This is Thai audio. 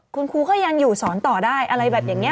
คุณครูก็ยังอยู่สอนต่อได้อะไรแบบอย่างนี้